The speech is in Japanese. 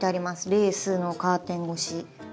レースのカーテン越し。